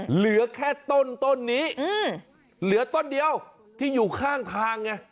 เหลือแค่ต้นนี้เหลือต้นเดียวที่อยู่ข้างทางไง